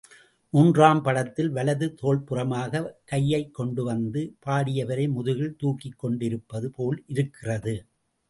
மூன்றாம் படத்தில் வலது தோள்புறமாகக் கையைக் கொண்டு வந்து, பாடியவரை முதுகில் துக்கிக் கொண்டு இருப்பது போல் இருக்கிறது.